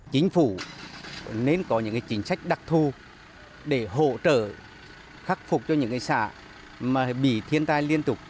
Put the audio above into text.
chính phủ nên có những chính sách đặc thù để hỗ trợ khắc phục cho những xã bị thiên tai liên tục